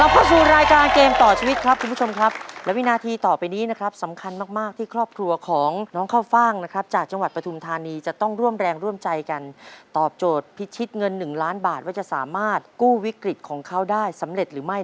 เข้าสู่รายการเกมต่อชีวิตครับคุณผู้ชมครับและวินาทีต่อไปนี้นะครับสำคัญมากมากที่ครอบครัวของน้องข้าวฟ่างนะครับจากจังหวัดปฐุมธานีจะต้องร่วมแรงร่วมใจกันตอบโจทย์พิชิตเงินหนึ่งล้านบาทว่าจะสามารถกู้วิกฤตของเขาได้สำเร็จหรือไม่